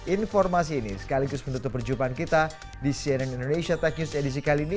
informasi ini sekaligus menutup perjumpaan kita di cnn indonesia tech news edisi kali ini